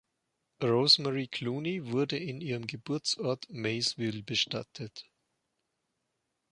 Rosemary Clooney wurde in ihrem Geburtsort Maysville bestattet.